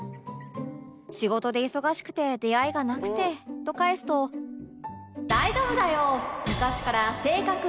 「仕事で忙しくて出会いがなくて」と返すとと言われた